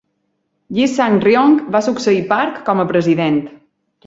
Yi Sang-ryong va succeir Park com a president.